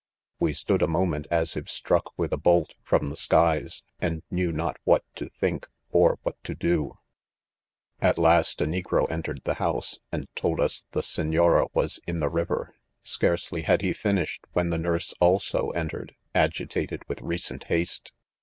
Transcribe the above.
M"e stood a moment as If struck with a bolt from the skies, and knew not what to think, or what to do. "At last, a negro entered the house, and THE 'CATASTROPHE. 20f told us the Senora was in the river;* Scarce ly had lie finished when the nurse aiso enter* ed, agitated with recent haste.